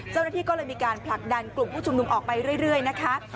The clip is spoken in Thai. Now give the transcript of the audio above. เจ้าหน้าที่ก็เลยมีการผลักดันกลุ่มผู้ชุมนุมออกไปเรื่อยนะคะ